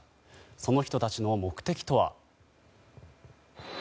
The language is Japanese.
その人たちの目的とは。